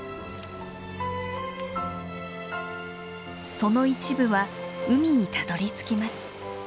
その一部は海にたどりつきます。